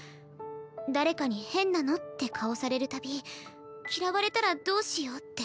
誰かに「変なの」って顔される度嫌われたらどうしようって。